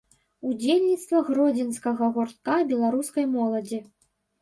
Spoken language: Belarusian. Удзельніца гродзенскага гуртка беларускай моладзі.